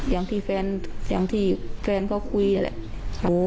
อย่างที่แฟนเขาคุยแหละ